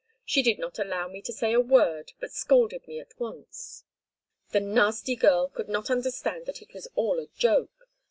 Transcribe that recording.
She did not allow me to say a word, but scolded me at once. The nasty girl could not understand that it was all a joke.